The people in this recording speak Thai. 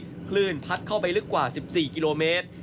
ถือการ์ดแอบพัดเข้าไปลึกกว่า๑๔กิโลเมตร